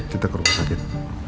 kita ke rumah sakit